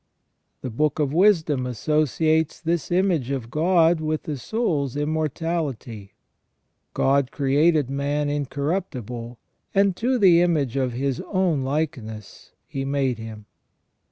The Book of Wisdom associates this image of God with the soul's immor tality :" God created man incorruptible, and to the image of his own likeness He made him